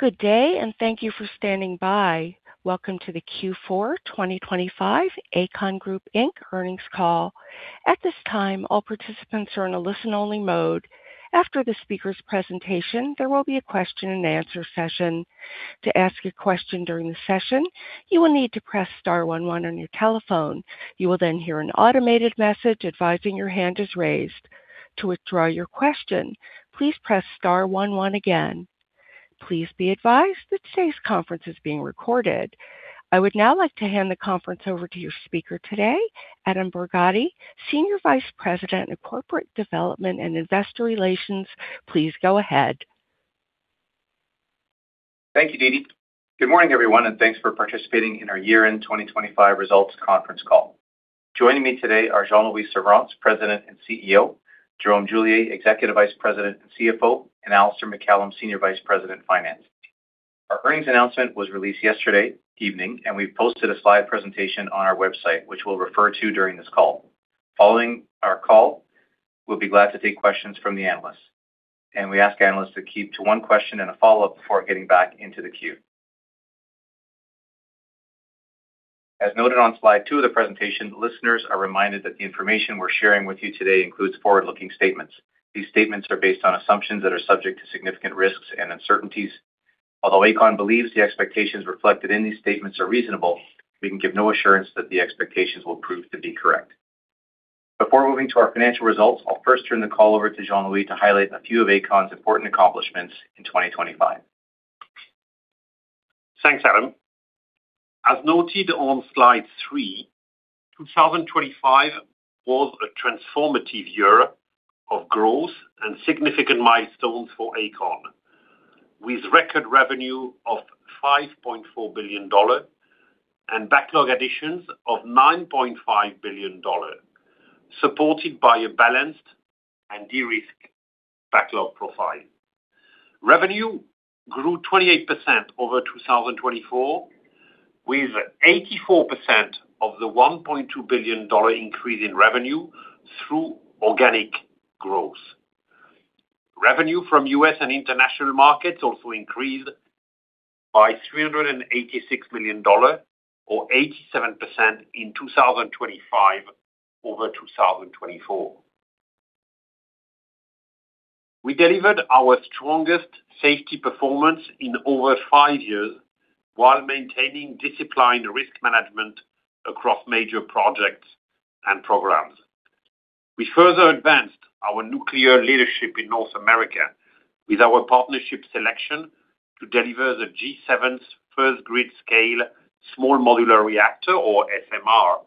Good day, and thank you for standing by. Welcome to the Q4 2025 Aecon Group Inc. earnings call. At this time, all participants are in a listen-only mode. After the speaker's presentation, there will be a Q&A session. To ask a question during the session, you will need to press star one one on your telephone. You will then hear an automated message advising your hand is raised. To withdraw your question, please press star one one again. Please be advised that today's conference is being recorded. I would now like to hand the conference over to your speaker today, Adam Borgatti, Senior Vice President, Corporate Development and Investor Relations. Please go ahead. Thank Didi. Good morning, everyone, and thanks for participating in our year-end 2025 results conference call. Joining me today are Jean-Louis Servranckx, President and CEO, Jérôme Julier, Executive Vice President and CFO, and Alistair MacCallum, Senior Vice President of Finance. Our earnings announcement was released yesterday evening. We've posted a slide presentation on our website, which we'll refer to during this call. Following our call, we'll be glad to take questions from the analysts. We ask analysts to keep to one question and a follow-up before getting back into the queue. As noted on slide two of the presentation, listeners are reminded that the information we're sharing with you today includes forward-looking statements. These statements are based on assumptions that are subject to significant risks and uncertainties. Although Aecon believes the expectations reflected in these statements are reasonable, we can give no assurance that the expectations will prove to be correct. Before moving to our financial results, I'll first turn the call over to Jean Louis to highlight a few of Aecon's important accomplishments in 2025. Thanks, Adam. As noted on slide three, 2025 was a transformative year of growth and significant milestones for Aecon, with record revenue of 5.4 billion dollars and backlog additions of 9.5 billion dollars, supported by a balanced and de-risked backlog profile. Revenue grew 28% over 2024, with 84% of the 1.2 billion dollar increase in revenue through organic growth. Revenue from U.S. and international markets also increased by $386 million or 87% in 2025 over 2024. We delivered our strongest safety performance in over five years while maintaining disciplined risk management across major projects and programs. We further advanced our nuclear leadership in North America with our partnership selection to deliver the G7's first grid-scale small modular reactor, or SMR,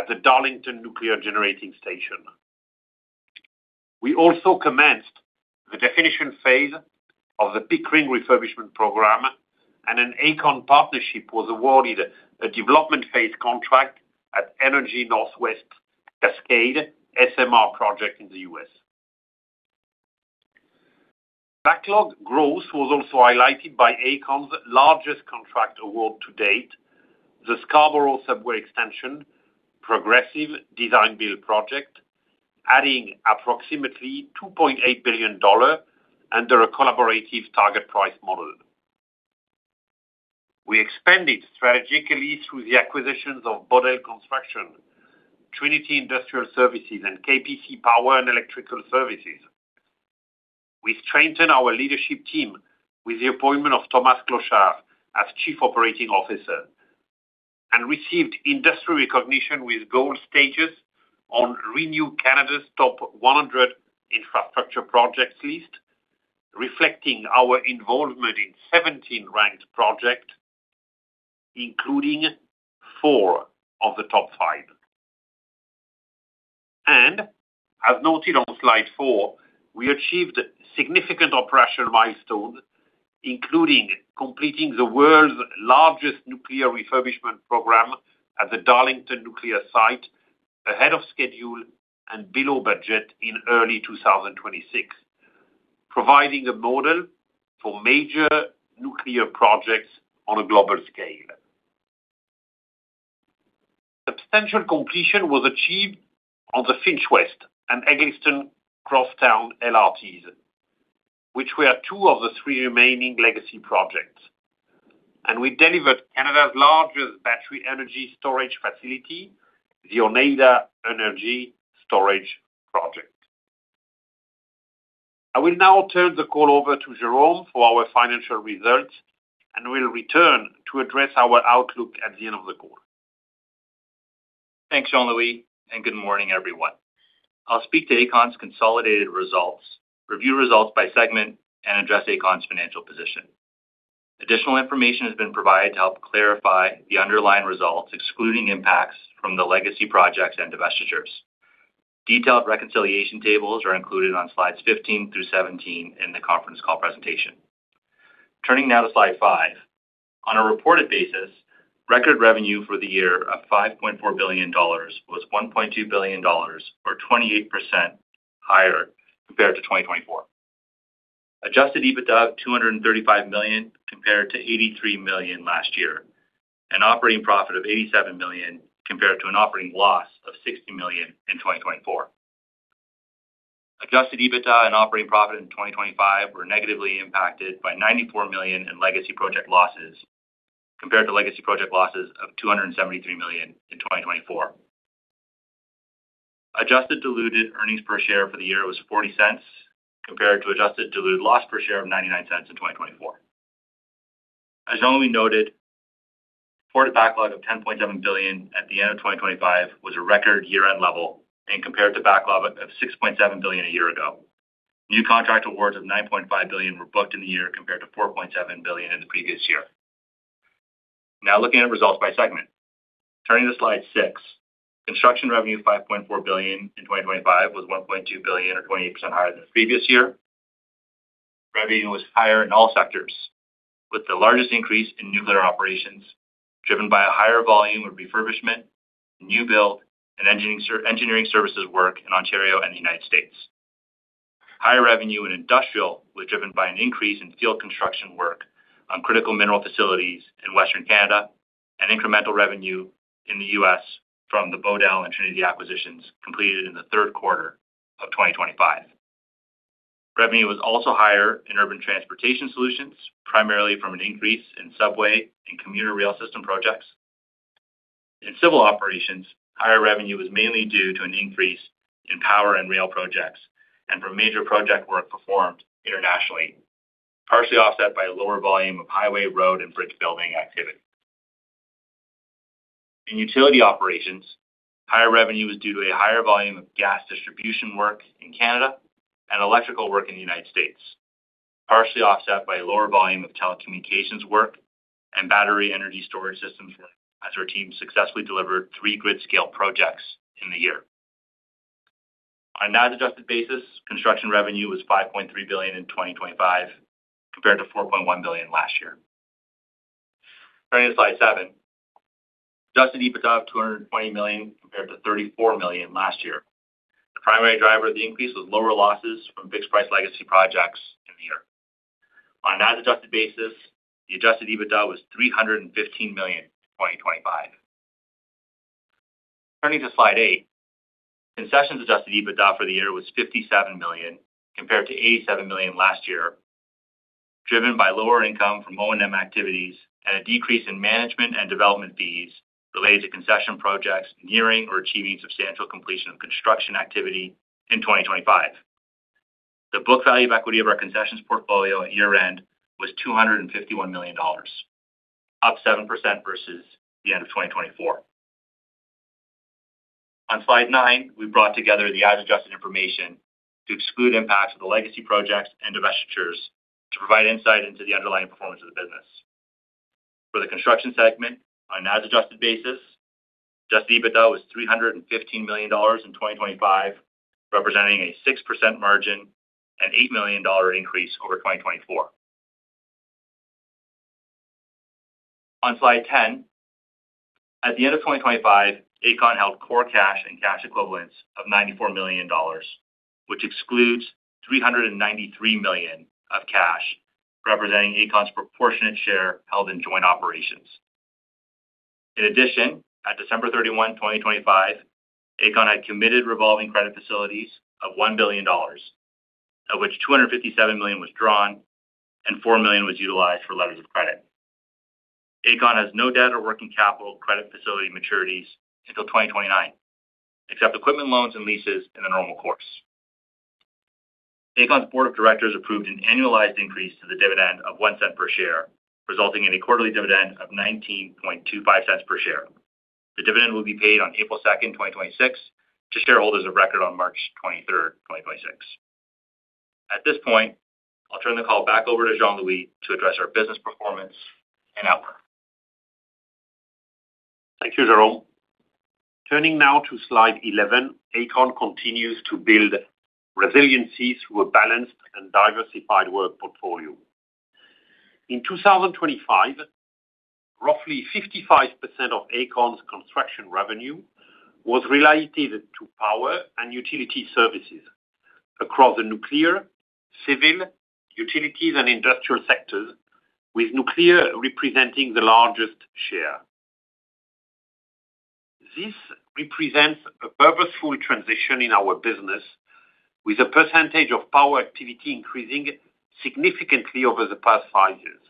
at the Darlington Nuclear Generating Station. We also commenced the definition phase of the Pickering refurbishment program, and an Aecon partnership was awarded a development phase contract at Energy Northwest Cascade SMR project in the U.S. Backlog growth was also highlighted by Aecon's largest contract award to date, the Scarborough Subway Extension progressive design-build project, adding approximately 2.8 billion dollars under a collaborative target price model. We expanded strategically through the acquisitions of Bodell Construction, Trinity Industrial Services, and K.P.C. Power and Electrical Services. We strengthened our leadership team with the appointment of Thomas Clochard as Chief Operating Officer and received industry recognition with gold status on ReNew Canada's Top 100 Infrastructure Projects list, reflecting our involvement in 17 ranked projects, including four of the top five. As noted on slide four, we achieved significant operational milestones, including completing the world's largest nuclear refurbishment program at the Darlington Nuclear Site ahead of schedule and below budget in early 2026, providing a model for major nuclear projects on a global scale. Substantial completion was achieved on the Finch West and Eglinton Crosstown LRTs, which were two of the three remaining legacy projects. We delivered Canada's largest battery energy storage facility, the Oneida Energy Storage Project. I will now turn the call over to Jérôme for our financial results, and will return to address our outlook at the end of the call. Thanks, Jean-Louis. Good morning, everyone. I'll speak to Aecon's consolidated results, review results by segment, and address Aecon's financial position. Additional information has been provided to help clarify the underlying results, excluding impacts from the legacy projects and divestitures. Detailed reconciliation tables are included on slides 15 through 17 in the conference call presentation. Turning now to slide five. On a reported basis, record revenue for the year of 5.4 billion dollars was 1.2 billion dollars, or 28% higher compared to 2024. Adjusted EBITDA of 235 million compared to 83 million last year. An operating profit of 87 million compared to an operating loss of 60 million in 2024. Adjusted EBITDA and operating profit in 2025 were negatively impacted by 94 million in legacy project losses, compared to legacy project losses of 273 million in 2024. Adjusted diluted earnings per share for the year was 0.40, compared to adjusted diluted loss per share of 0.99 in 2024. As only noted, reported backlog of 10.7 billion at the end of 2025 was a record year-end level and compared to backlog of 6.7 billion a year ago. New contract awards of 9.5 billion were booked in the year compared to 4.7 billion in the previous year. Now looking at results by segment. Turning to slide six. Construction revenue of 5.4 billion in 2025 was 1.2 billion or 28% higher than the previous year. Revenue was higher in all sectors, with the largest increase in nuclear operations, driven by a higher volume of refurbishment, new build and engineering services work in Ontario and the U.S.. Higher revenue in industrial was driven by an increase in field construction work on critical mineral facilities in Western Canada and incremental revenue in the US from the Bodell and Trinity acquisitions completed in the third quarter of 2025. Revenue was also higher in urban transportation solutions, primarily from an increase in subway and commuter rail system projects. In civil operations, higher revenue was mainly due to an increase in power and rail projects and from major project work performed internationally, partially offset by a lower volume of highway, road, and bridge building activity. In utility operations, higher revenue was due to a higher volume of gas distribution work in Canada and electrical work in the U.S., partially offset by a lower volume of telecommunications work and battery energy storage systems work as our team successfully delivered three grid scale projects in the year. On an as adjusted basis, construction revenue was 5.3 billion in 2025 compared to 4.1 billion last year. Turning to slide seven. Adjusted EBITDA of 220 million compared to 34 million last year. The primary driver of the increase was lower losses from fixed-price legacy projects in the year. On an as adjusted basis, the Adjusted EBITDA was 315 million in 2025. Turning to slide eight. Concessions Adjusted EBITDA for the year was $57 million compared to $87 million last year, driven by lower income from O&M activities and a decrease in management and development fees related to concession projects nearing or achieving substantial completion of construction activity in 2025. The book value of equity of our concessions portfolio at year-end was $251 million, up 7% versus the end of 2024. On slide nine, we brought together the as-adjusted information to exclude impacts of the legacy projects and divestitures to provide insight into the underlying performance of the business. For the construction segment, on an as-adjusted basis, Adjusted EBITDA was $315 million in 2025, representing a 6% margin and $8 million increase over 2024. On slide 10, at the end of 2025, Aecon held core cash and cash equivalents of 94 million dollars, which excludes 393 million of cash, representing Aecon's proportionate share held in joint operations. In addition, at December 31, 2025, Aecon had committed revolving credit facilities of 1 billion dollars, of which 257 million was drawn and 4 million was utilized for letters of credit. Aecon has no debt or working capital credit facility maturities until 2029, except equipment loans and leases in the normal course. Aecon's board of directors approved an annualized increase to the dividend of 0.01 per share, resulting in a quarterly dividend of 0.1925 per share. The dividend will be paid on April 2, 2026 to shareholders of record on March 23, 2026. At this point, I'll turn the call back over to Jean-Louis to address our business performance in outlook. Thank you, Jérôme. Turning now to slide 11, Aecon continues to build resiliency through a balanced and diversified work portfolio. In 2025, roughly 55% of Aecon's construction revenue was related to power and utility services across the nuclear, civil, utilities, and industrial sectors, with nuclear representing the largest share. This represents a purposeful transition in our business, with the percentage of power activity increasing significantly over the past five years.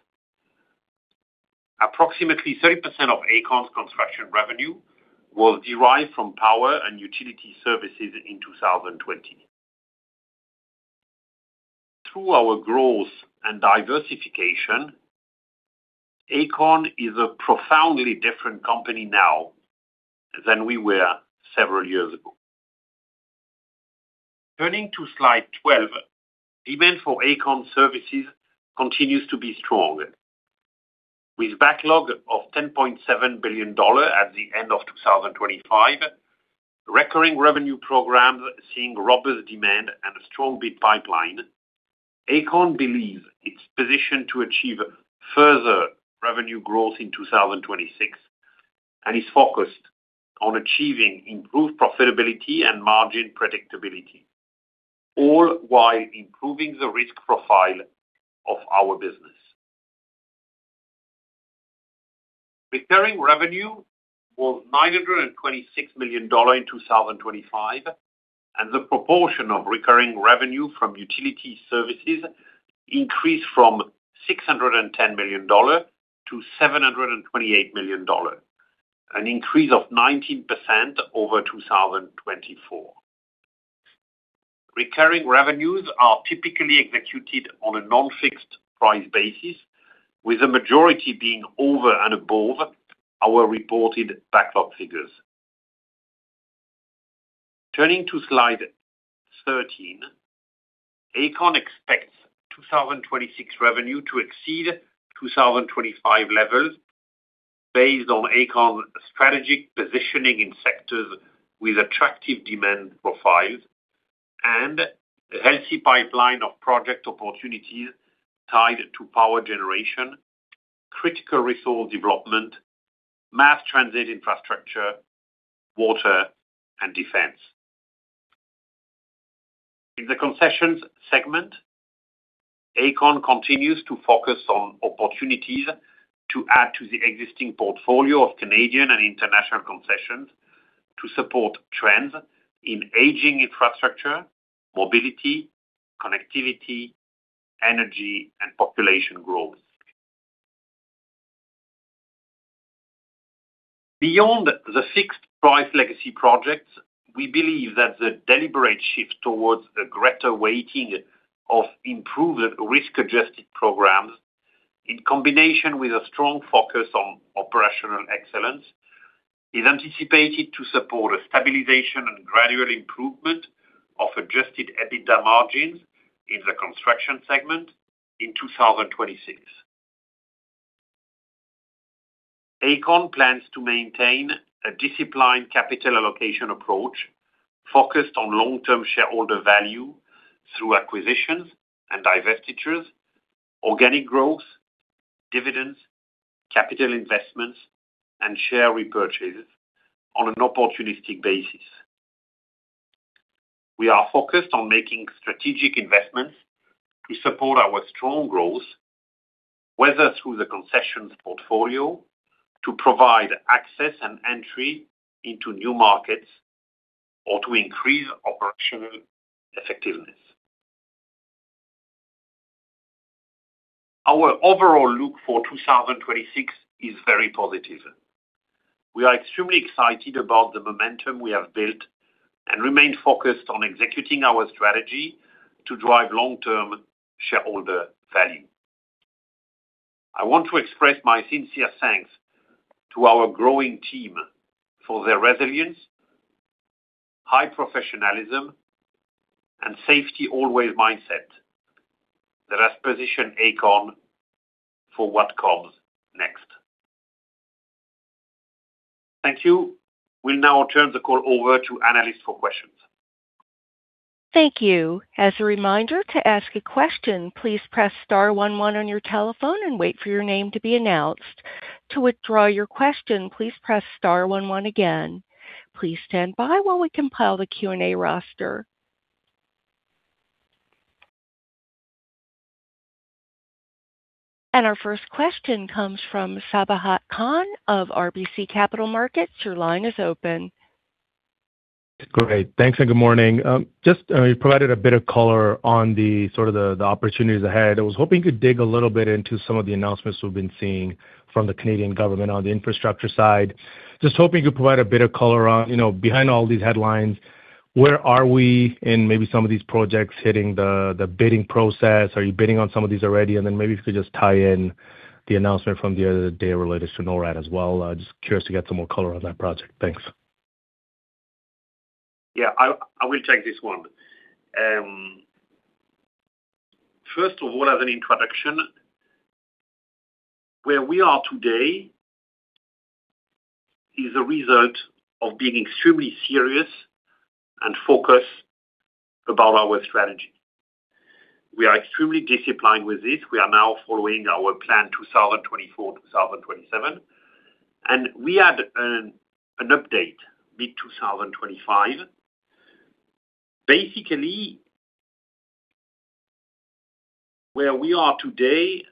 Approximately 30% of Aecon's construction revenue was derived from power and utility services in 2020. Through our growth and diversification, Aecon is a profoundly different company now than we were several years ago. Turning to slide 12. Demand for Aecon services continues to be strong. With backlog of 10.7 billion dollars at the end of 2025, recurring revenue programs seeing robust demand and a strong bid pipeline, Aecon believes it's positioned to achieve further revenue growth in 2026 and is focused on achieving improved profitability and margin predictability, all while improving the risk profile of our business. Recurring revenue was 926 million dollar in 2025. The proportion of recurring revenue from utility services increased from 610 million dollar to 728 million dollars, an increase of 19% over 2024. Recurring revenues are typically executed on a non-fixed price basis, with the majority being over and above our reported backlog figures. Turning to slide 13, Aecon expects 2026 revenue to exceed 2025 levels based on Aecon strategic positioning in sectors with attractive demand profiles and a healthy pipeline of project opportunities tied to power generation, critical resource development, mass transit infrastructure, water, and defense. In the concessions segment, Aecon continues to focus on opportunities to add to the existing portfolio of Canadian and international concessions to support trends in aging infrastructure, mobility, connectivity, energy, and population growth. Beyond the fixed price legacy projects, we believe that the deliberate shift towards a greater weighting of improved risk-adjusted programs in combination with a strong focus on operational excellence, is anticipated to support a stabilization and gradual improvement of Adjusted EBITDA margins in the construction segment in 2026. Aecon plans to maintain a disciplined capital allocation approach focused on long-term shareholder value through acquisitions and divestitures, organic growth, dividends, capital investments, and share repurchases on an opportunistic basis. We are focused on making strategic investments to support our strong growth, whether through the concessions portfolio to provide access and entry into new markets or to increase operational effectiveness. Our overall look for 2026 is very positive. We are extremely excited about the momentum we have built and remain focused on executing our strategy to drive long-term shareholder value. I want to express my sincere thanks to our growing team for their resilience, high professionalism, and safety always mindset that has positioned Aecon for what comes next. Thank you. We'll now turn the call over to analysts for questions. Thank you. As a reminder to ask a question, please press star one one on your telephone and wait for your name to be announced. To withdraw your question, please press star one one again. Please stand by while we compile the Q&A roster. Our first question comes from Sabahat Khan of RBC Capital Markets. Your line is open. Great. Thanks and good morning. Just you provided a bit of color on the sort of the opportunities ahead. I was hoping you could dig a little bit into some of the announcements we've been seeing from the Canadian government on the infrastructure side. Just hoping you could provide a bit of color on, you know, behind all these headlines, where are we in maybe some of these projects hitting the bidding process? Are you bidding on some of these already? Maybe if you could just tie in the announcement from the other day related to NORAD as well. Just curious to get some more color on that project. Thanks. Yeah. I will take this one. First of all, as an introduction, where we are today is a result of being extremely serious and focused about our strategy. We are extremely disciplined with this. We are now following our plan 2024 - 2027. We had an update mid-2025. Basically, where we are today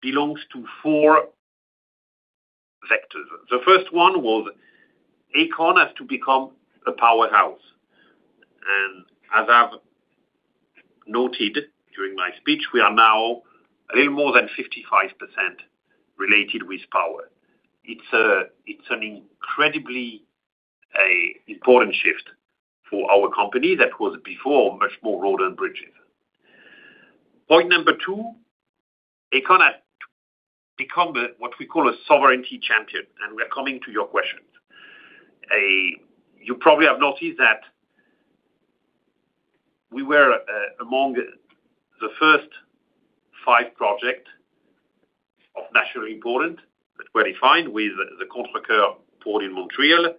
belongs to four vectors. The first one was Aecon has to become a powerhouse. As I've noted during my speech, we are now a little more than 55% related with power. It's an incredibly important shift for our company that was before much more road and bridges. Point number two, Aecon has to become what we call a sovereignty champion. We are coming to your questions. You probably have noticed that we were among the first five project of nationally important that were defined with the Contrecoeur port in Montreal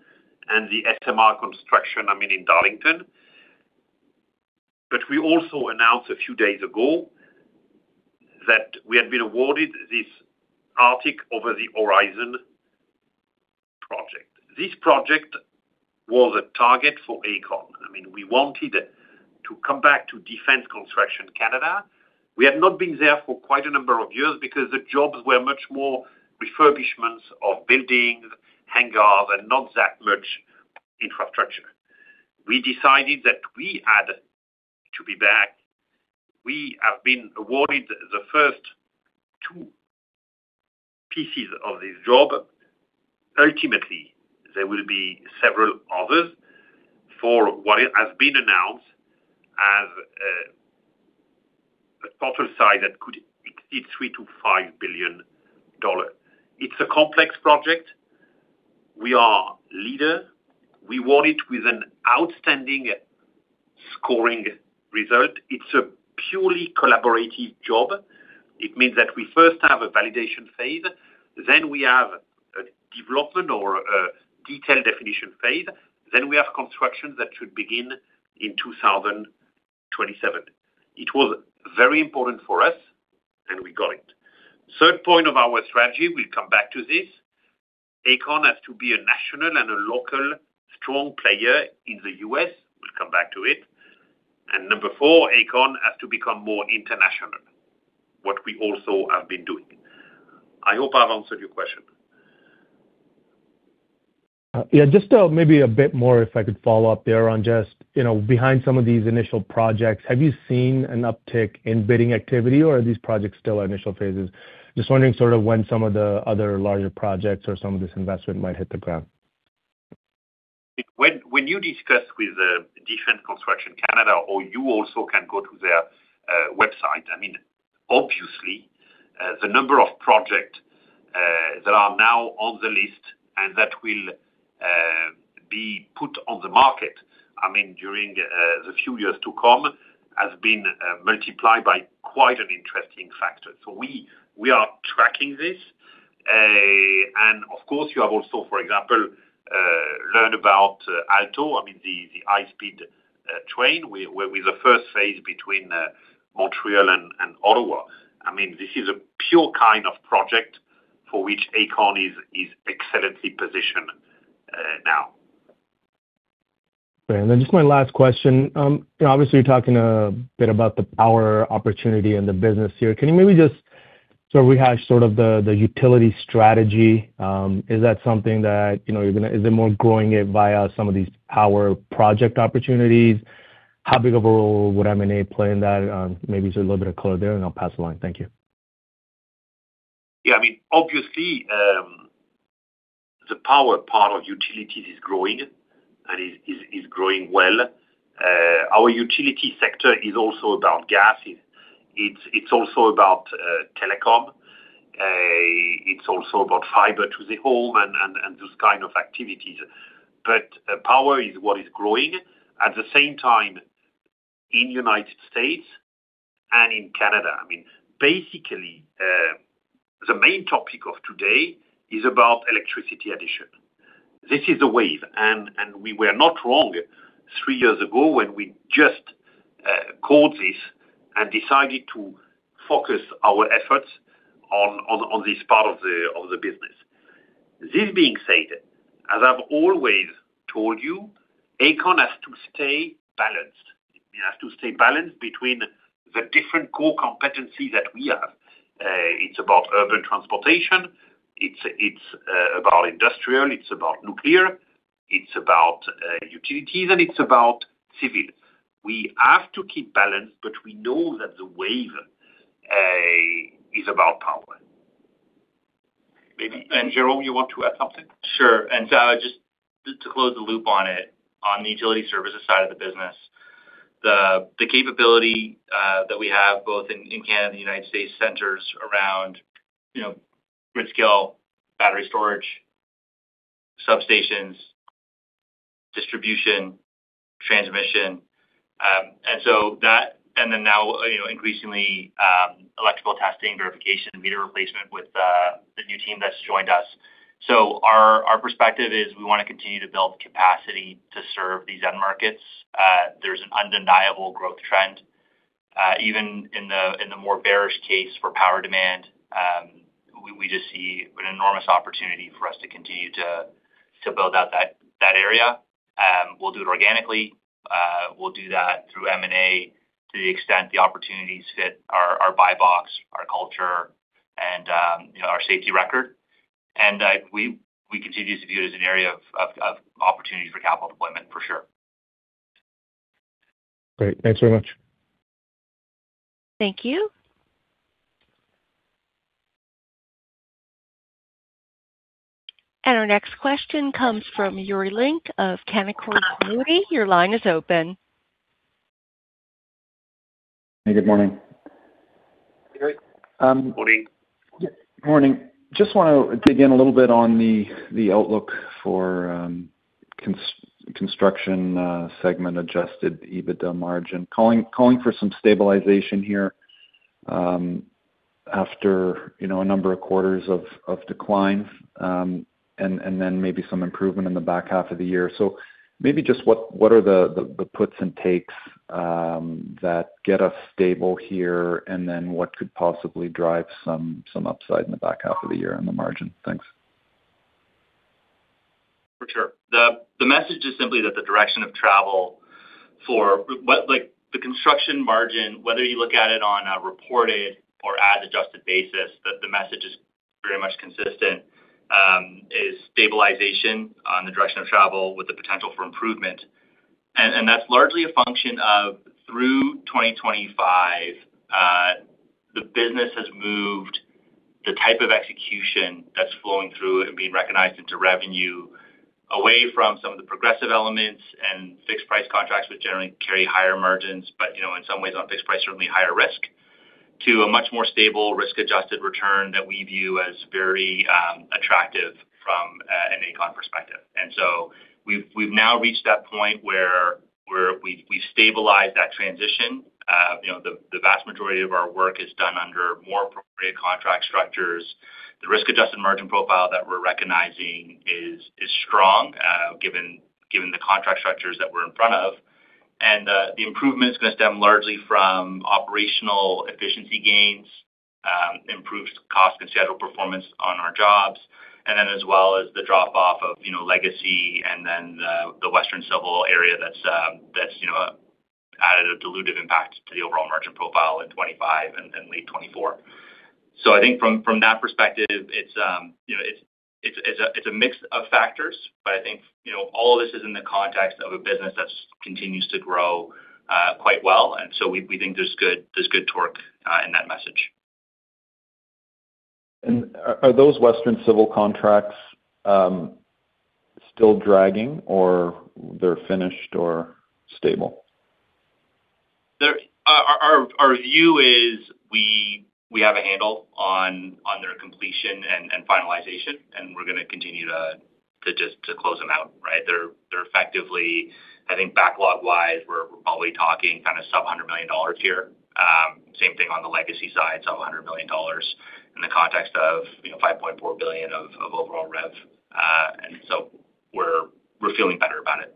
and the SMR construction, I mean, in Darlington. We also announced a few days ago that we had been awarded this Arctic Over-the-Horizon project. This project was a target for Aecon. I mean, we wanted to come back to Defence Construction Canada. We have not been there for quite a number of years because the jobs were much more refurbishments of buildings, hangars, and not that much infrastructure. We decided that we had to be back. We have been awarded the first two pieces of this job. Ultimately, there will be several others for what has been announced as a total size that could be $3 billion-$5 billion. It's a complex project. We are leader. We want it with an outstanding scoring result. It's a purely collaborative job. It means that we first have a validation phase, then we have a development or a detailed definition phase, then we have construction that should begin in 2027. It was very important for us, and we got it. Third point of our strategy, we'll come back to this. Aecon has to be a national and a local strong player in the US. We'll come back to it. Number four, Aecon has to become more international, what we also have been doing. I hope I've answered your question. Yeah, just, maybe a bit more, if I could follow up there on just, you know, behind some of these initial projects, have you seen an uptick in bidding activity, or are these projects still initial phases? Just wondering sort of when some of the other larger projects or some of this investment might hit the ground. When you discuss with Defence Construction Canada, or you also can go to their website, I mean, obviously, the number of project that are now on the list and that will be put on the market, I mean, during the few years to come has been multiplied by quite an interesting factor. We are tracking this. Of course, you have also, for example, learned about Alstom, I mean, the high speed train with the first phase between Montreal and Ottawa. I mean, this is a pure kind of project for which Aecon is excellently positioned now. Just my last question. Obviously, you're talking a bit about the power opportunity and the business here. Can you maybe just rehash sort of the utility strategy? Is that something that, you know, is it more growing it via some of these power project opportunities? How big of a role would M&A play in that? Maybe just a little bit of color there, and I'll pass along. Thank you. I mean, obviously, the power part of utilities is growing and is growing well. Our utility sector is also about gas. It's also about telecom. It's also about fiber to the home and those kind of activities. Power is what is growing. At the same time, in U.S. and in Canada, I mean, basically, the main topic of today is about electricity addition. This is the wave, and we were not wrong three years ago when we just called this and decided to focus our efforts on this part of the link. This being said, as I've always told you, Aecon has to stay balanced. It has to stay balanced between the different core competencies that we have. It's about urban transportation, it's about industrial, it's about nuclear, it's about utilities, and it's about civil. We have to keep balanced, but we know that the wave is about power. Jérôme, you want to add something? Sure. Just to close the loop on it, on the utility services side of the business, the capability that we have both in Canada and the U.S. centers around, you know, grid scale, battery storage, substations, distribution, transmission. Now, you know, increasingly, electrical testing, verification, meter replacement with the new team that's joined us. Our perspective is we wanna continue to build capacity to serve these end markets. There's an undeniable growth trend, even in the more bearish case for power demand. We just see an enormous opportunity for us to continue to build out that area. We'll do it organically. We'll do that through M&A to the extent the opportunities fit our buy box, our culture, and, you know, our safety record. We continue to view it as an area of opportunity for capital deployment for sure. Great. Thanks very much. Thank you. Our next question comes from Yuri Lynk of Canaccord Genuity. Your line is open. Hey, good morning. Yuri. Morning. Morning. Just wanna dig in a little bit on the outlook for construction segment Adjusted EBITDA margin. Calling for some stabilization here, after, you know, a number of quarters of decline, and then maybe some improvement in the back half of the year. Maybe just what are the puts and takes that get us stable here, and then what could possibly drive some upside in the back half of the year on the margin? Thanks. The message is simply that the direction of travel for like the construction margin, whether you look at it on a reported or Adjusted basis, that the message is very much consistent, is stabilization on the direction of travel with the potential for improvement. That's largely a function of through 2025, the business has moved the type of execution that's flowing through and being recognized into revenue away from some of the progressive elements and fixed price contracts, which generally carry higher margins. You know, in some ways on fixed price, certainly higher risk to a much more stable risk-adjusted return that we view as very attractive from an Aecon perspective. We've now reached that point where we've stabilized that transition. You know, the vast majority of our work is done under more appropriate contract structures. The risk-adjusted margin profile that we're recognizing is strong, given the contract structures that we're in front of. The improvement is gonna stem largely from operational efficiency gains, improved cost and schedule performance on our jobs. As well as the drop off of, you know, legacy and then the Western Civil area that's, you know, added a dilutive impact to the overall margin profile in 2025 and late 2024. I think from that perspective, it's, you know, it's a mix of factors, but I think, you know, all of this is in the context of a business that's continues to grow quite well. We think there's good torque in that message. Are those Western Civil contracts still dragging or they're finished or stable? Our view is we have a handle on their completion and finalization, we're gonna continue to just to close them out, right? They're effectively I think backlog wise, we're probably talking kind of sub 100 million dollars here. Same thing on the legacy side, sub 100 million dollars in the context of, you know, 5.4 billion of overall rev. We're feeling better about it.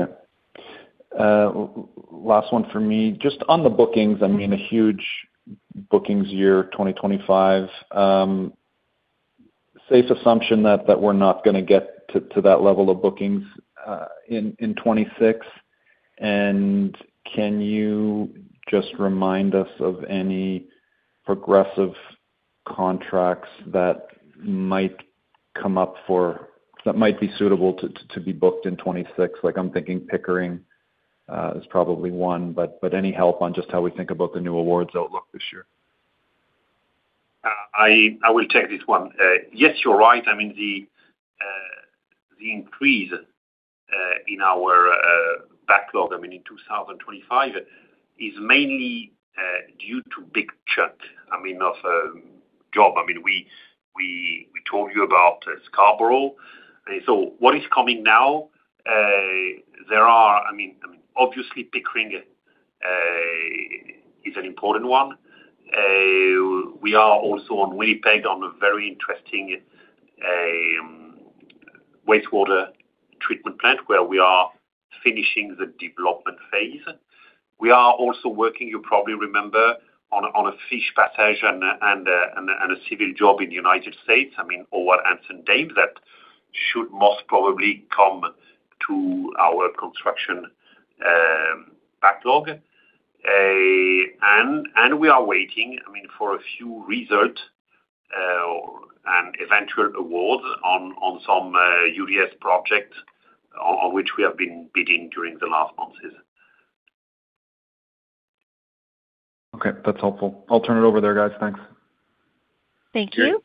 Yeah. Last one for me, just on the bookings, I mean, a huge bookings year, 2025. Safe assumption that we're not gonna get to that level of bookings in 2026. Can you just remind us of any progressive contracts that might be suitable to be booked in 2026? Like I'm thinking Pickering is probably one, but any help on just how we think about the new awards outlook this year. I will take this one. Yes, you're right. I mean, the increase in our backlog, I mean, in 2025 is mainly due to big chunk, I mean, of job. I mean, we told you about Scarborough. What is coming now, I mean, obviously Pickering is an important one. We are also on Winnipeg on a very interesting wastewater treatment plant where we are finishing the development phase. We are also working, you probably remember on a fish passage and a civil job in the U.S., I mean, over Hansen Dam, that should most probably come to our construction backlog. We are waiting, I mean, for a few results, or eventual awards on some UDS projects on which we have been bidding during the last months. Okay. That's helpful. I'll turn it over there, guys. Thanks. Thank you.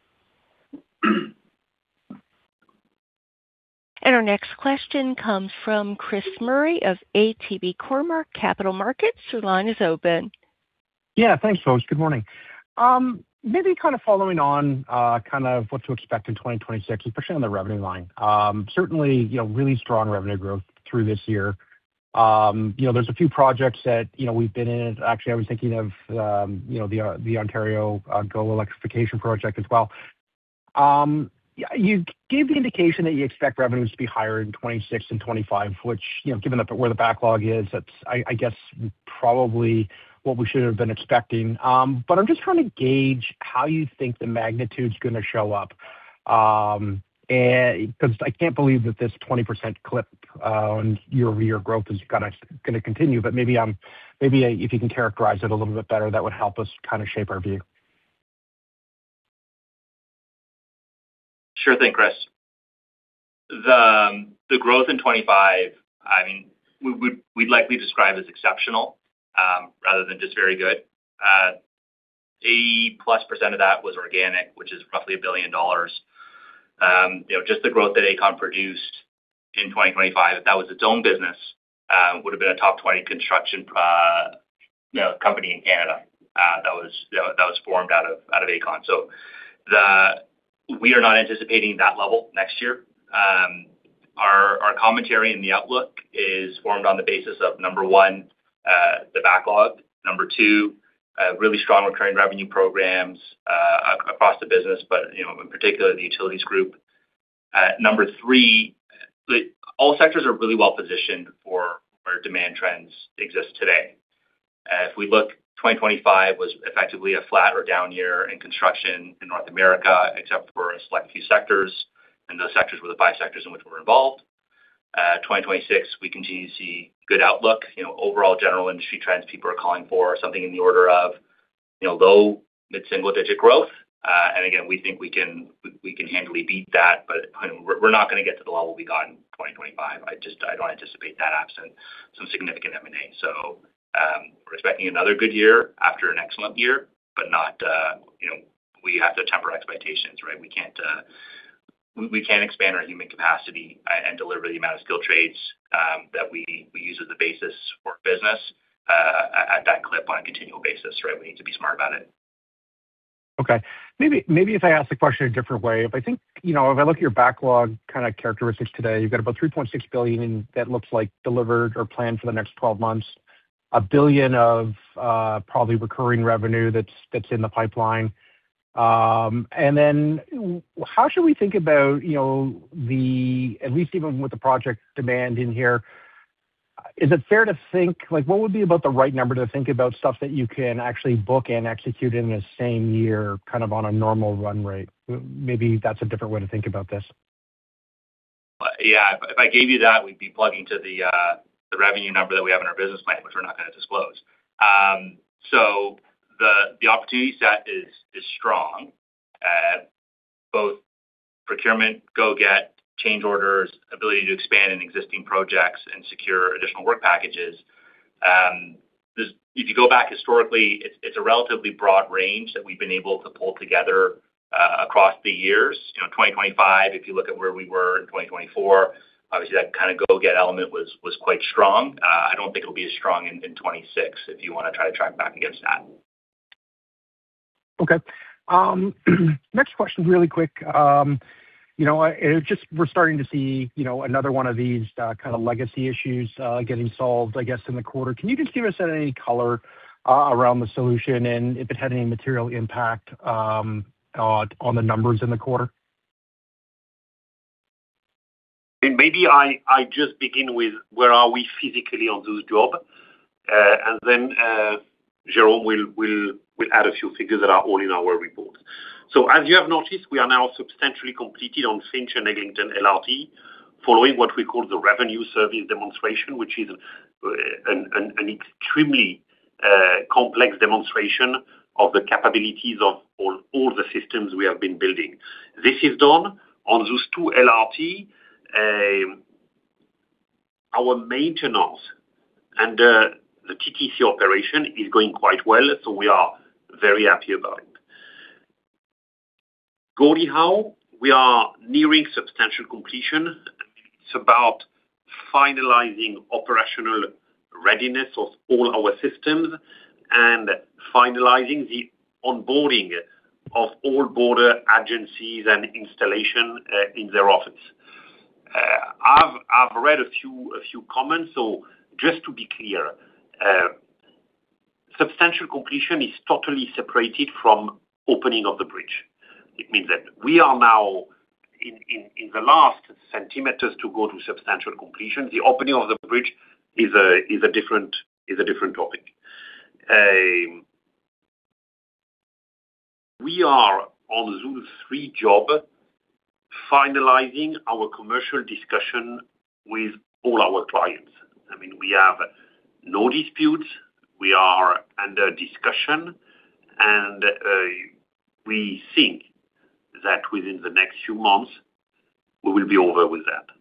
Yeah. Our next question comes from Chris Murray of ATB Capital Markets. Your line is open. Yeah, thanks, folks. Good morning. Maybe kind of following on, kind of what to expect in 2026, especially on the revenue line. Certainly, you know, really strong revenue growth through this year. You know, there's a few projects that, you know, we've been in. Actually, I was thinking of, you know, the Ontario GO Electrification project as well. You gave the indication that you expect revenues to be higher in 2026 and 2025, which, you know, given where the backlog is, that's I guess probably what we should have been expecting. But I'm just trying to gauge how you think the magnitude's gonna show up. I can't believe that this 20% clip on YoY growth is gonna continue, but maybe if you can characterize it a little bit better, that would help us kinda shape our view. Sure thing, Chris. The growth in 25, I mean, we'd likely describe as exceptional, rather than just very good. +80% of that was organic, which is roughly 1 billion dollars. You know, just the growth that Aecon produced in 2025, if that was its own business, would've been a top 20 construction, you know, company in Canada, that was formed out of Aecon. We are not anticipating that level next year. Our commentary in the outlook is formed on the basis of, number one, the backlog, number two, really strong recurring revenue programs across the business, but you know, in particular the Utilities group. Number three, all sectors are really well positioned for where demand trends exist today. If we look, 2025 was effectively a flat or down year in construction in North America, except for a select few sectors, and those sectors were the five sectors in which we're involved. 2026, we continue to see good outlook. You know, overall general industry trends, people are calling for something in the order of, you know, low mid-single digit growth. Again, we think we can, we can handily beat that, but we're not gonna get to the level we got in 2025. I don't anticipate that absent some significant M&A. We're expecting another good year after an excellent year, but not, you know, we have to temper expectations, right? We can't expand our human capacity and deliver the amount of skill trades, that we use as the basis for business, at that clip on a continual basis, right? We need to be smart about it. Okay. Maybe if I ask the question a different way. If I think, you know, if I look at your backlog kinda characteristics today, you've got about 3.6 billion that looks like delivered or planned for the next 12 months. 1 billion of probably recurring revenue that's in the pipeline. How should we think about, you know, at least even with the project demand in here, is it fair to think, like what would be about the right number to think about stuff that you can actually book and execute in the same year, kind of on a normal run rate? Maybe that's a different way to think about this. Yeah. If I gave you that, we'd be plugging to the revenue number that we have in our business plan, which we're not gonna disclose. The opportunity set is strong at both procurement, go get change orders, ability to expand in existing projects and secure additional work packages. If you go back historically, it's a relatively broad range that we've been able to pull together across the years. You know, 2025, if you look at where we were in 2024, obviously that kinda go get element was quite strong. I don't think it'll be as strong in 2026, if you wanna try to track back against that. Next question really quick. You know, just we're starting to see, you know, another one of these, kinda legacy issues, getting solved, I guess, in the quarter. Can you just give us any color around the solution and if it had any material impact on the numbers in the quarter? Maybe I just begin with where are we physically on those job, and then Jérôme will add a few figures that are all in our report. As you have noticed, we are now substantially completed on Finch and Eglinton LRT, following what we call the revenue service demonstration, which is an extremely complex demonstration of the capabilities of all the systems we have been building. This is done on those two LRT. Our maintenance and TTC operation is going quite well. We are very happy about it. Gordie Howe, we are nearing substantial completion. It's about finalizing operational readiness of all our systems and finalizing the onboarding of all border agencies and installation in their office. I've read a few comments. Just to be clear, substantial completion is totally separated from opening of the bridge. It means that we are now in the last centimeters to go to substantial completion. The opening of the bridge is a different topic. We are on those three job finalizing our commercial discussion with all our clients. I mean, we have no disputes. We are under discussion, and we think that within the next few months we will be over with that. A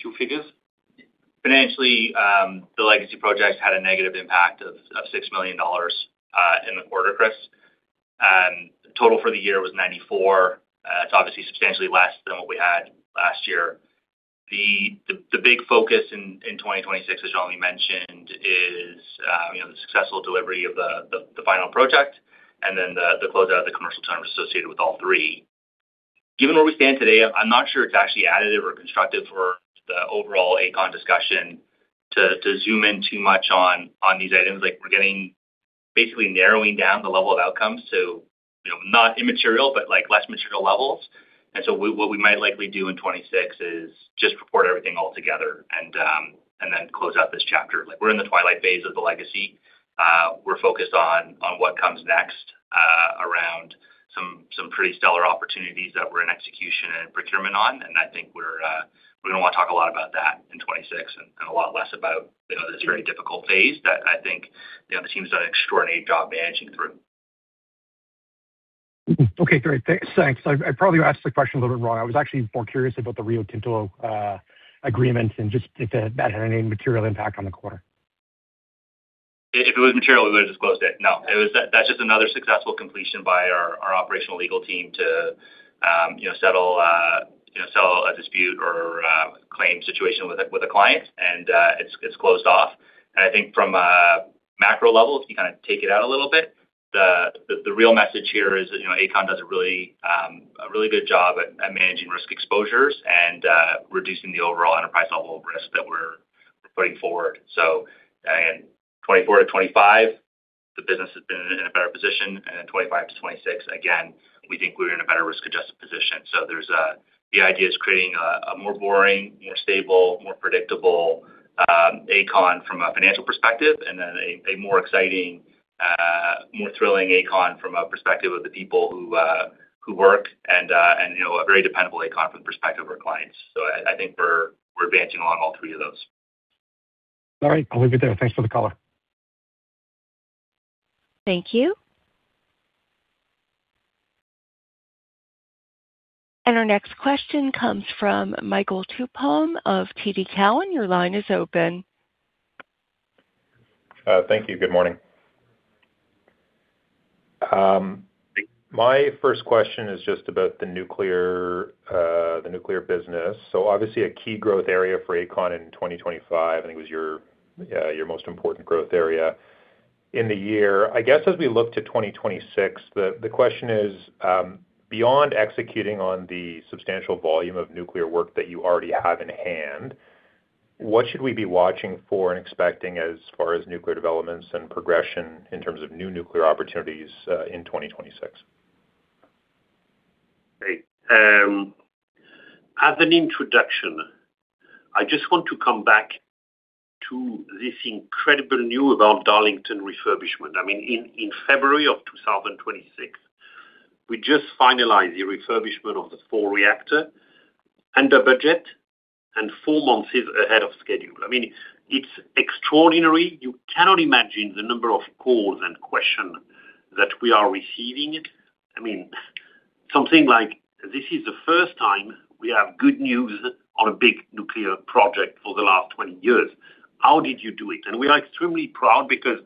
few figures. Financially, the legacy projects had a negative impact of 6 million dollars in the quarter, Chris. Total for the year was 94 million. It's obviously substantially less than what we had last year. The big focus in 2026, as Jean mentioned, is, you know, the successful delivery of the final project and then the closeout of the commercial terms associated with all three. Given where we stand today, I'm not sure it's actually additive or constructive for the overall Aecon discussion to zoom in too much on these items. Like, we're getting basically narrowing down the level of outcomes, so, you know, not immaterial, but like less material levels. What we might likely do in 2026 is just report everything all together and then close out this chapter. Like, we're in the twilight phase of the legacy. We're focused on what comes next, around some pretty stellar opportunities that we're in execution and procurement on. I think we're gonna wanna talk a lot about that in 2026 and a lot less about, you know, this very difficult phase that I think, you know, the team's done an extraordinary job managing through. Okay, great. Thanks. I probably asked the question a little bit wrong. I was actually more curious about the Rio Tinto agreement and just if that had any material impact on the quarter. If it was material, we would have disclosed it. No. That's just another successful completion by our operational legal team to, you know, settle a dispute or claim situation with a client and it's closed off. I think from a macro level, if you kinda take it out a little bit, the real message here is that, you know, Aecon does a really good job at managing risk exposures and reducing the overall enterprise level risk that we're putting forward. In 2024 to 2025, the business has been in a better position in 25 to 26. Again, we think we're in a better risk-adjusted position. The idea is creating a more boring, more stable, more predictable Aecon from a financial perspective, and then a more exciting, more thrilling Aecon from a perspective of the people who work and you know, a very dependable Aecon from the perspective of our clients. I think we're advancing along all three of those. All right, I'll leave it there. Thanks for the color. Thank you. Our next question comes from Michael Tupholme of TD Cowen. Your line is open. Thank you. Good morning. My first question is just about the nuclear, the nuclear business. Obviously a key growth area for Aecon in 2025, and it was your most important growth area in the year. I guess as we look to 2026, the question is, beyond executing on the substantial volume of nuclear work that you already have in hand, what should we be watching for and expecting as far as nuclear developments and progression in terms of new nuclear opportunities, in 2026? Great. As an introduction, I just want to come back to this incredible news about Darlington refurbishment. I mean, in February of 2026, we just finalized the refurbishment of the four reactor under budget and four months ahead of schedule. I mean, it's extraordinary. You cannot imagine the number of calls and questions that we are receiving. I mean, something like this is the first time we have good news on a big nuclear project for the last 20 years. How did you do it? We are extremely proud because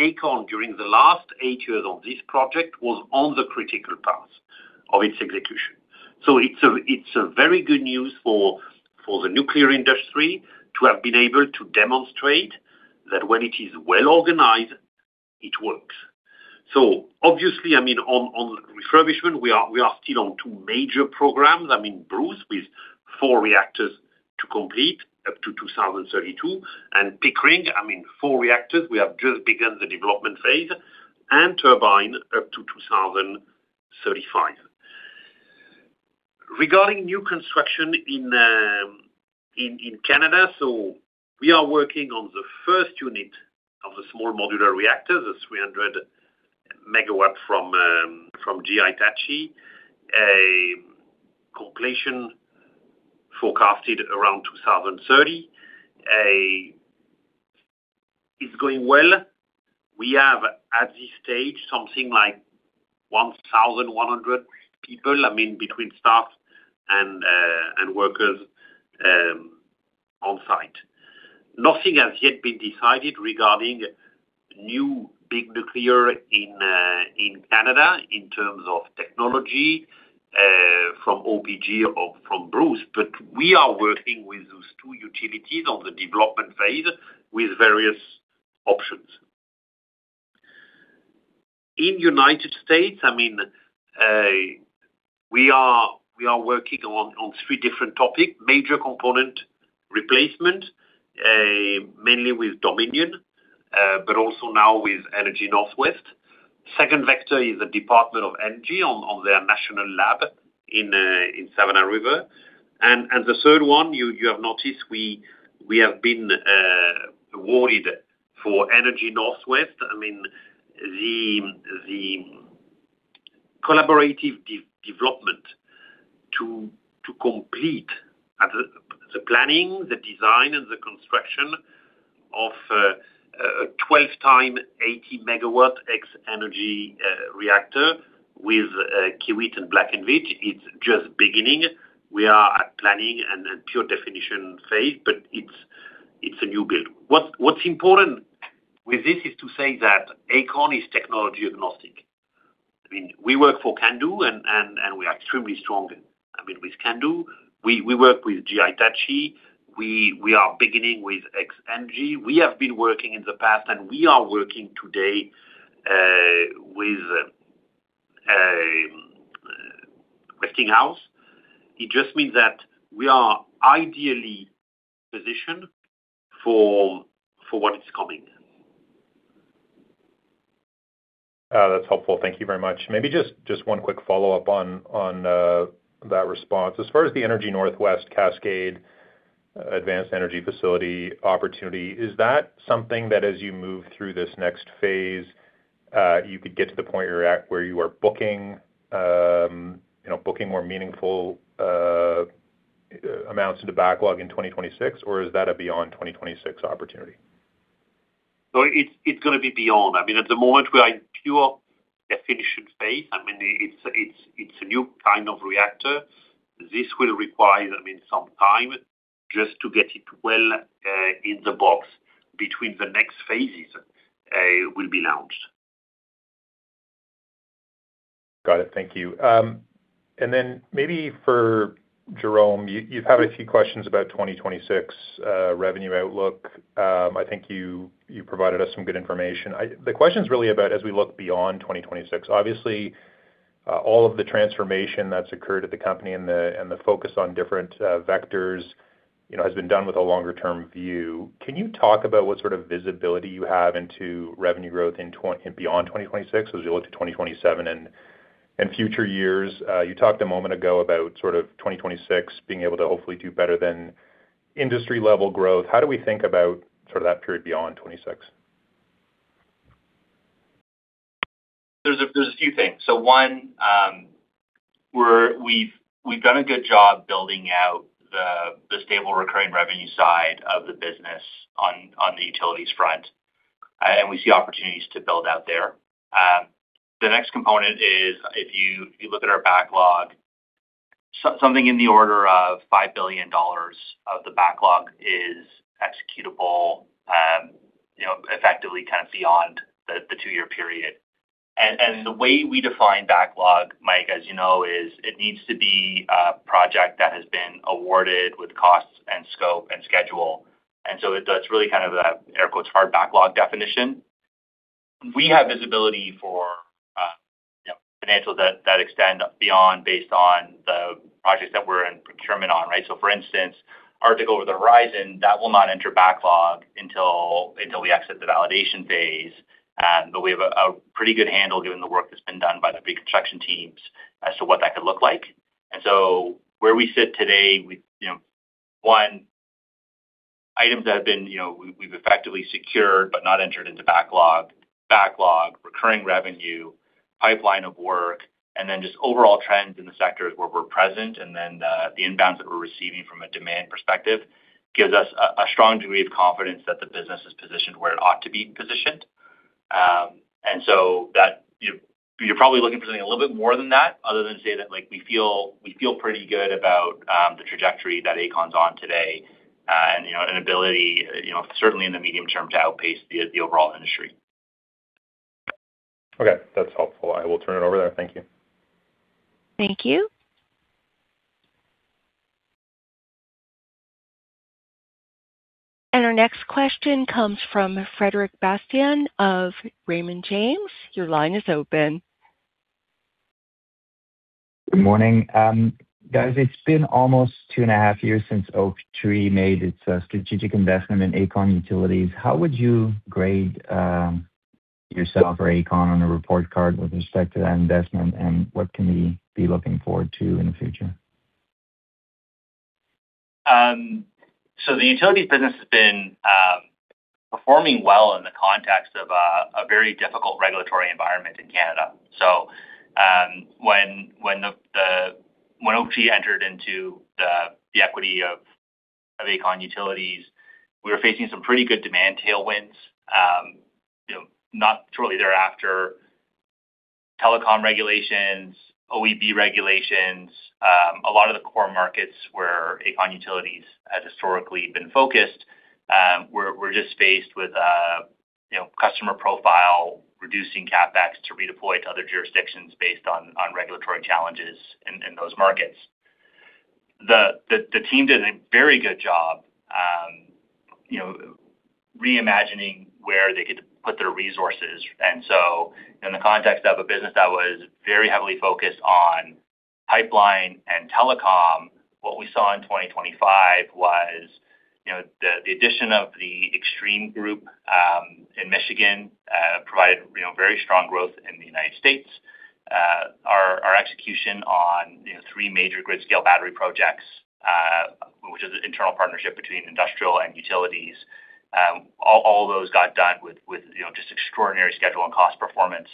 Aecon, during the last 8 years on this project, was on the critical path of its execution. It's a very good news for the nuclear industry to have been able to demonstrate that when it is well organized, it works. Obviously, I mean, on refurbishment, we are still on two major programs. I mean, Bruce, with four reactors to complete up to 2032, and Pickering, I mean, four reactors, we have just begun the development phase and turbine up to 2035. Regarding new construction in Canada, we are working on the first unit of the small modular reactor, the 300 MW from GE Hitachi. A completion forecasted around 2030. It's going well. We have, at this stage, something like 1,100 people, I mean, between staff and workers on site. Nothing has yet been decided regarding new big nuclear in Canada in terms of technology from OPG or from Bruce. We are working with those two utilities on the development phase with various options. In U.S., I mean, we are working on three different topics. Major component replacement, mainly with Dominion, but also now with Energy Northwest. Second vector is the Department of Energy on their national lab in Savannah River. The third one you have noticed we have been awarded for Energy Northwest. I mean, the collaborative de-development to complete the planning, the design, and the construction of a 12 times 80 MW X-energy reactor with Kiewit and Black & Veatch. It's just beginning. We are at planning and then pure definition phase, but it's a new build. What's important with this is to say that Aecon is technology agnostic. I mean, we work for CANDU and we're extremely strong, I mean, with CANDU. We work with GE Hitachi. We are beginning with X-energy. We have been working in the past, and we are working today with Westinghouse. It just means that we are ideally positioned for what is coming. That's helpful. Thank you very much. Maybe just one quick follow-up on that response. As far as the Energy Northwest Cascade Advanced Energy Facility opportunity, is that something that as you move through this next phase, you could get to the point you're at where you are booking, you know, booking more meaningful amounts into backlog in 2026, or is that a beyond 2026 opportunity? It's gonna be beyond. I mean, at the moment, we are at pure definition phase. I mean, it's a new kind of reactor. This will require, I mean, some time just to get it well in the box between the next phases will be launched. Got it. Thank you. Then maybe for Jérôme, you have a few questions about 2026 revenue outlook. I think you provided us some good information. The question is really about as we look beyond 2026, obviously, all of the transformation that's occurred at the company and the focus on different vectors, you know, has been done with a longer-term view. Can you talk about what sort of visibility you have into revenue growth and beyond 2026 as you look to 2027 and future years? You talked a moment ago about sort of 2026 being able to hopefully do better than industry-level growth. How do we think about sort of that period beyond 2026? There's a few things. One, we've done a good job building out the stable recurring revenue side of the business on the utilities front. We see opportunities to build out there. The next component is if you look at our backlog, something in the order of 5 billion dollars of the backlog is executable, you know, effectively kind of beyond the two-year period. The way we define backlog, Mike, as you know, is it needs to be a project that has been awarded with costs and scope and schedule. It's really kind of a air quotes hard backlog definition. We have visibility for, you know, financials that extend beyond based on the projects that we're in procurement on, right? For instance, Arctic Over-the-Horizon, that will not enter backlog until we exit the validation phase. But we have a pretty good handle given the work that's been done by the big construction teams as to what that could look like. Where we sit today, we, you know, one, items that have been, you know, we've effectively secured but not entered into backlog, recurring revenue, pipeline of work, just overall trends in the sectors where we're present, the inbounds that we're receiving from a demand perspective gives us a strong degree of confidence that the business is positioned where it ought to be positioned. That you're probably looking for something a little bit more than that other than to say that, like, we feel, we feel pretty good about the trajectory that Aecon's on today, and, you know, an ability, you know, certainly in the medium term to outpace the overall industry. Okay. That's helpful. I will turn it over there. Thank you. Thank you. Our next question comes from Frederic Bastien of Raymond James. Your line is open. Good morning. Guys, it's been almost 2.5 years since Oaktree made its strategic investment in Aecon Utilities. How would you grade yourself or Aecon on a report card with respect to that investment, and what can we be looking forward to in the future? The utilities business has been performing well in the context of a very difficult regulatory environment in Canada. When Oaktree entered into the equity of Aecon Utilities, we were facing some pretty good demand tailwinds, you know, not shortly thereafter, telecom regulations, OEB regulations. A lot of the core markets where Aecon Utilities has historically been focused, were just faced with, you know, customer profile, reducing CapEx to redeploy to other jurisdictions based on regulatory challenges in those markets. The team did a very good job, you know, reimagining where they could put their resources. In the context of a business that was very heavily focused on pipeline and telecom, what we saw in 2025 was, you know, the addition of the Xtreme group in Michigan provided, you know, very strong growth in the U.S.. Our execution on, you know, three major grid-scale battery projects, which is an internal partnership between industrial and utilities, all those got done with, you know, just extraordinary schedule and cost performance.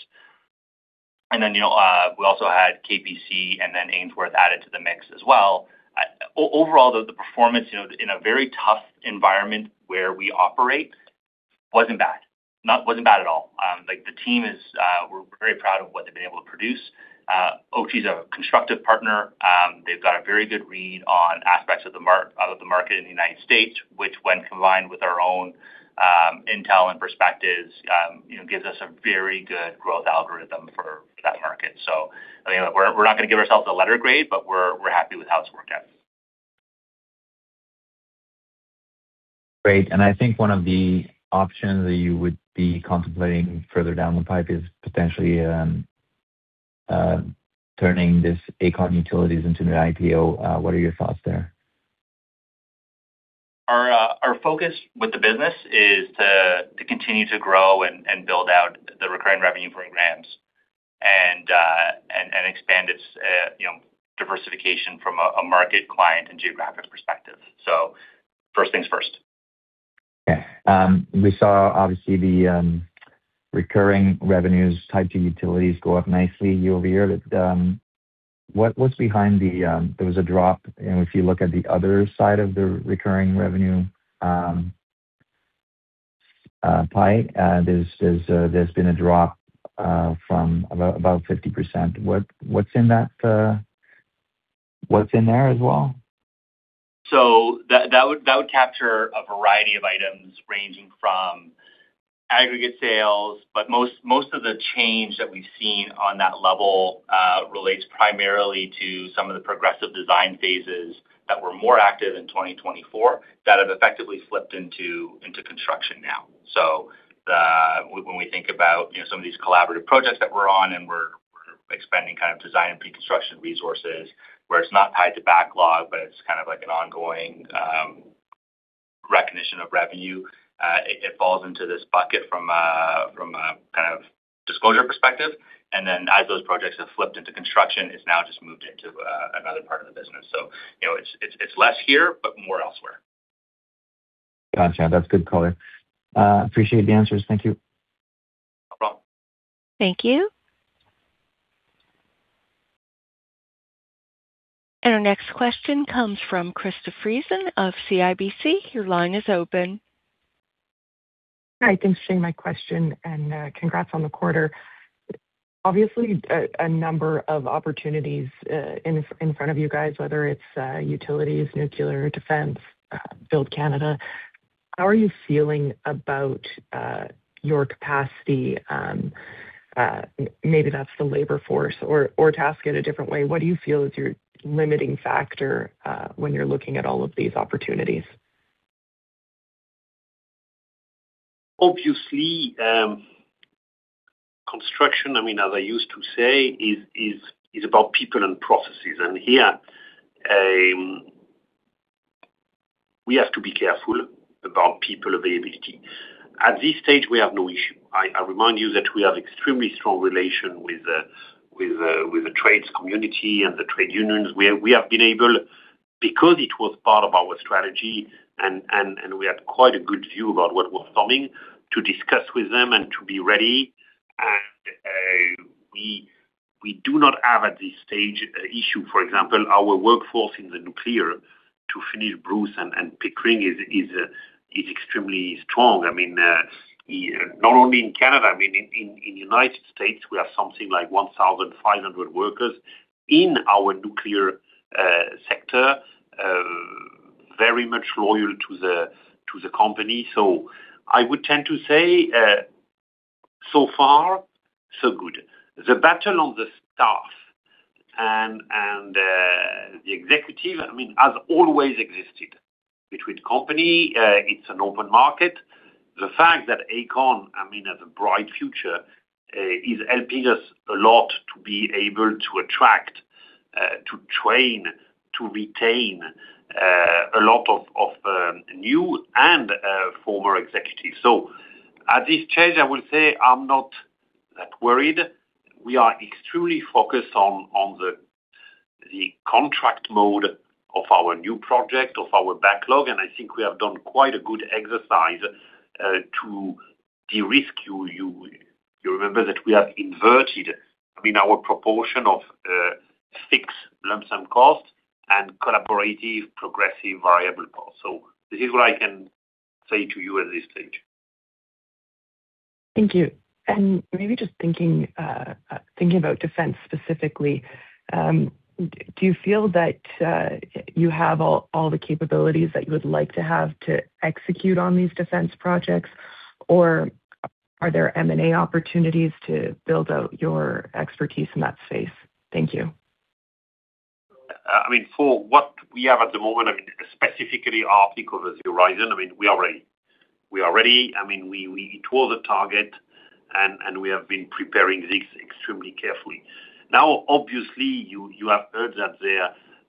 Then, you know, we also had K.P.C. and then Ainsworth added to the mix as well. Overall, though, the performance, you know, in a very tough environment where we operate wasn't bad. Wasn't bad at all. Like the team is. We're very proud of what they've been able to produce. Oaktree's a constructive partner. They've got a very good read on aspects of the market in the U.S., which when combined with our own, intel and perspectives, you know, gives us a very good growth algorithm for that market. I mean, we're not gonna give ourselves a letter grade, but we're happy with how it's worked out. Great. I think one of the options that you would be contemplating further down the pipe is potentially turning this Aecon Utilities into an IPO. What are your thoughts there? Our focus with the business is to continue to grow and build out the recurring revenue programs and expand its, you know, diversification from a market client and geographic perspective. First things first. Okay. We saw obviously the recurring revenues types of utilities go up nicely YoY. What's behind the? There was a drop, you know, if you look at the other side of the recurring revenue pie. There's been a drop from about 50%. What's in that? What's in there as well? That would capture a variety of items ranging from aggregate sales, but most of the change that we've seen on that level relates primarily to some of the progressive design phases that were more active in 2024 that have effectively flipped into construction now. When we think about, you know, some of these collaborative projects that we're on and we're expanding kind of design and pre-construction resources where it's not tied to backlog, but it's kind of like an ongoing recognition of revenue, it falls into this bucket from a kind of disclosure perspective. Then as those projects have flipped into construction, it's now just moved into another part of the business. You know, it's less here, but more elsewhere. Gotcha. That's a good color. Appreciate the answers. Thank you. No problem. Thank you. Our next question comes from Krista Friesen of CIBC. Your line is open. Hi, thanks for taking my question. Congrats on the quarter. Obviously, a number of opportunities in front of you guys, whether it's utilities, nuclear, defense, build Canada. How are you feeling about your capacity? Maybe that's the labor force. To ask it a different way, what do you feel is your limiting factor when you're looking at all of these opportunities? Obviously, construction, I mean, as I used to say, is about people and processes. Here, we have to be careful about people availability. At this stage, we have no issue. I remind you that we have extremely strong relation with the trades community and the trade unions. We have been able because it was part of our strategy and we had quite a good view about what was coming to discuss with them and to be ready. We do not have at this stage issue. For example, our workforce in the nuclear to finish Bruce and Pickering is extremely strong. I mean, not only in Canada, I mean, in U.S. we have something like 1,500 workers in our nuclear sector, very much loyal to the company. I would tend to say, so far, so good. The battle on the staff and the executive, I mean, has always existed between company. It's an open market. The fact that Aecon, I mean, has a bright future, is helping us a lot to be able to attract, to train, to retain, a lot of new and former executives. At this stage, I will say I'm not that worried. We are extremely focused on the contract mode of our new project, of our backlog, and I think we have done quite a good exercise to de-risk. You remember that we have inverted, I mean, our proportion of fixed lump sum costs and collaborative progressive variable costs. This is what I can say to you at this stage. Thank you. Maybe just thinking about defense specifically, do you feel that you have all the capabilities that you would like to have to execute on these defense projects? Or are there M&A opportunities to build out your expertise in that space? Thank you. I mean, for what we have at the moment, I mean, specifically Arctic Over-the-Horizon Radar Program, I mean, we are ready. We are ready. I mean, It was a target, and we have been preparing this extremely carefully. Obviously, you have heard that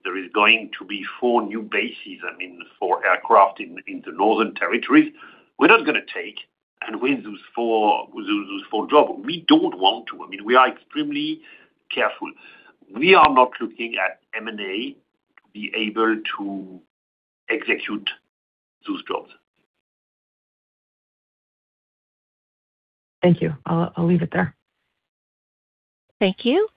there is going to be four new bases, I mean, for aircraft in the northern territories. We're not gonna take and win those four job. We don't want to. I mean, we are extremely careful. We are not looking at M&A to be able to execute those jobs. Thank you. I'll leave it there. Thank you.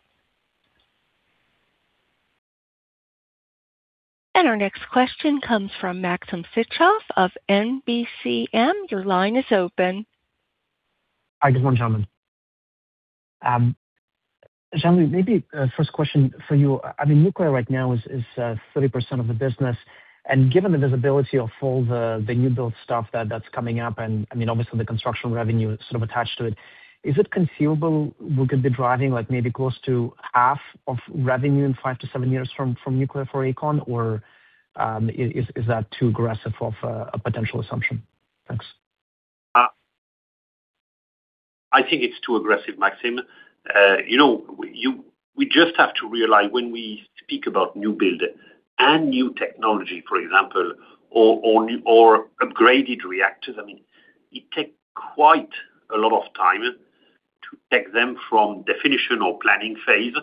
Our next question comes from Maxim Sytchev of NBCM. Your line is open. Hi, good morning, gentlemen. Jean-Louis, maybe, first question for you. I mean, nuclear right now is 30% of the business, and given the visibility of all the new build stuff that's coming up, and I mean, obviously the construction revenue sort of attached to it, is it conceivable we could be driving like maybe close to half of revenue in five years-seven years from nuclear for Aecon? Is that too aggressive of a potential assumption? Thanks. I think it's too aggressive, Maxim, you know, we just have to realize when we speak about new build and new technology, for example, or upgraded reactors, I mean, it takes quite a lot of time to take them from definition or planning phase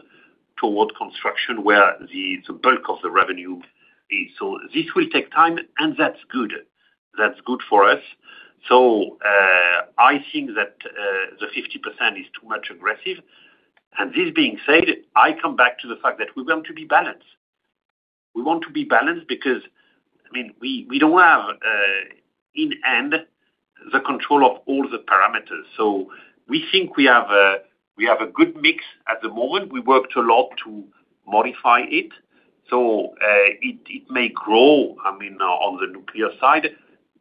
toward construction where the bulk of the revenue is. This will take time, and that's good. That's good for us. I think that the 50% is too much aggressive. This being said, I come back to the fact that we want to be balanced. We want to be balanced because, I mean, we don't have in hand the control of all the parameters. We think we have a good mix at the moment. We worked a lot to modify it. It may grow, I mean, on the nuclear side,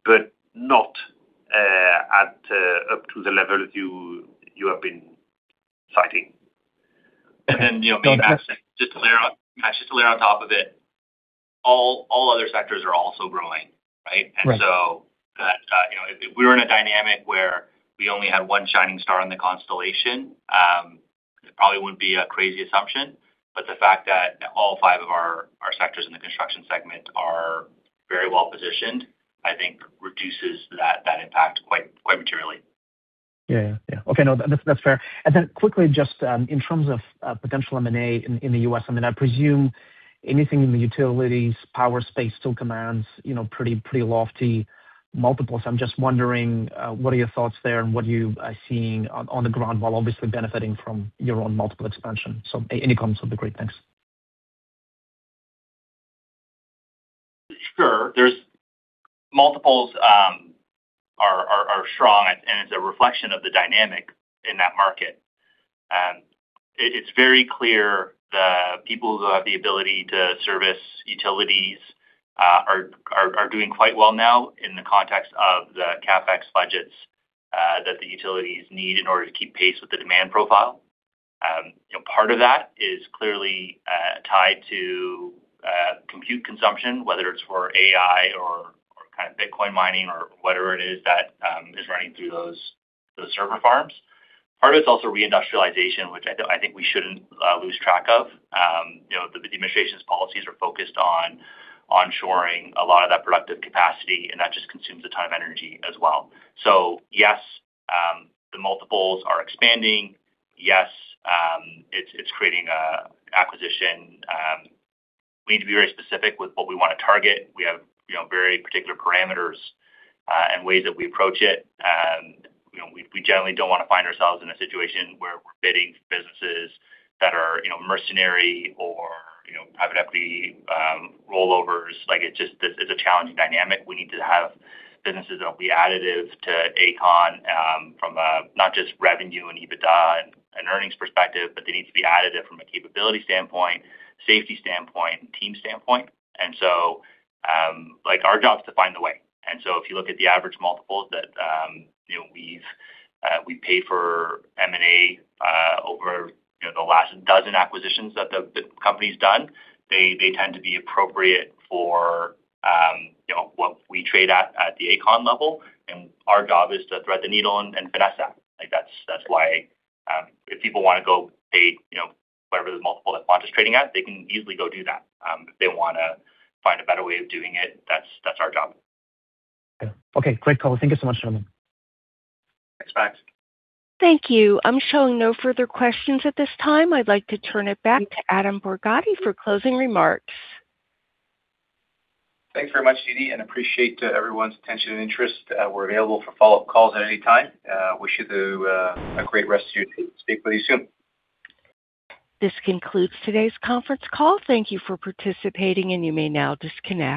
but not at up to the level you have been citing. You know, maybe just to layer on top of it, all other sectors are also growing, right? Right. You know, if we were in a dynamic where we only had one shining star in the constellation, it probably wouldn't be a crazy assumption. The fact that all five of our sectors in the construction segment are very well-positioned, I think reduces that impact quite materially. Yeah. Yeah. Okay. No, that's fair. Quickly, just in terms of potential M&A in the U.S., I mean, I presume anything in the utilities power space still commands, you know, pretty lofty multiples. I'm just wondering what are your thoughts there and what are you seeing on the ground while obviously benefiting from your own multiple expansion? Any comments would be great. Thanks. Multiples are strong and it's a reflection of the dynamic in that market. It's very clear the people who have the ability to service utilities are doing quite well now in the context of the CapEx budgets that the utilities need in order to keep pace with the demand profile. You know, part of that is clearly tied to compute consumption, whether it's for AI or kind of Bitcoin mining or whatever it is that is running through those server farms. Part of it's also reindustrialization, which I think we shouldn't lose track of. You know, the administration's policies are focused on onshoring a lot of that productive capacity, and that just consumes a ton of energy as well. Yes, the multiples are expanding. Yes, it's creating a acquisition. We need to be very specific with what we wanna target. We have, you know, very particular parameters and ways that we approach it. You know, we generally don't wanna find ourselves in a situation where we're bidding for businesses that are, you know, mercenary or, you know, private equity rollovers. Like, it just. This is a challenging dynamic. We need to have businesses that will be additive to Aecon, from a not just revenue and EBITDA and earnings perspective, but they need to be additive from a capability standpoint, safety standpoint, and team standpoint. Like, our job is to find the way. If you look at the average multiples that, you know, we've, we pay for M&A, over, you know, the last 12 acquisitions that the company's done, they tend to be appropriate for, you know, what we trade at the Aecon level. Our job is to thread the needle and finesse that. Like, that's why, if people wanna go pay, you know, whatever the multiple that Quanta is trading at, they can easily go do that. If they wanna find a better way of doing it, that's our job. Okay. Great call. Thank you so much, gentlemen. Thanks. Bye. Thank you. I'm showing no further questions at this time. I'd like to turn it back to Adam Borgatti for closing remarks. Thanks very much, Didi, and appreciate everyone's attention and interest. We're available for follow-up calls at any time. Wish you the a great rest of your day. Speak with you soon. This concludes today's conference call. Thank you for participating, you may now disconnect.